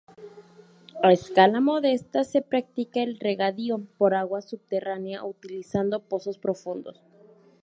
A escala modesta se practica el regadío por agua subterránea utilizando pozos profundos.